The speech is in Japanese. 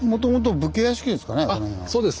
そうです。